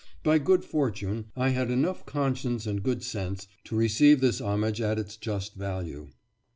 By good fortune I had enough conscience and good sense to receive this homage at its just value.